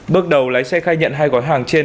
bước đầu lái xe khai nhận hai gói hàng trên